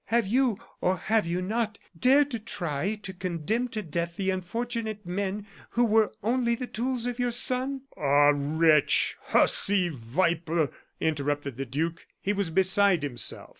Have you, or have you not, dared to try and to condemn to death the unfortunate men who were only the tools of your son?" "Ah, wretch! hussy! viper!" interrupted the duke. He was beside himself.